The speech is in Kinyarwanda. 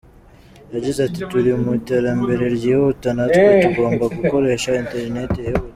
Yagize ati “Turi mu iterambere ryihuta na twe tugomba gukoresha interineti yihuta.